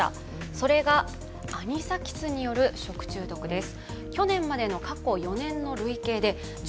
それがアニサキスによる食中毒です。